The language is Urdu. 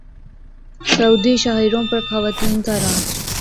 سعودی شاہراہوں پر خواتین کا راج